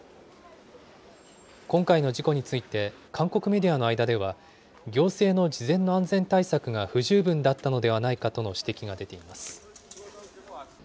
今回の事故について、韓国メディアの間では、行政の事前の安全対策が不十分だったのではないかとの指摘が出ています。